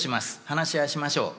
話し合いしましょう」。